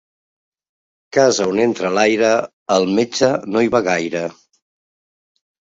Casa on entra l'aire, el metge no hi va gaire.